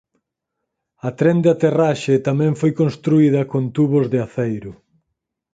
A tren de aterraxe tamén foi construída con tubos de aceiro.